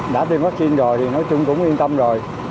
đã tiêm vaccine rồi thì nói chung cũng yên tâm rồi